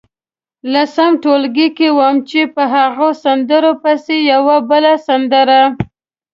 لسم ټولګي کې وم چې په هغو سندرو پسې یوه بله سندره.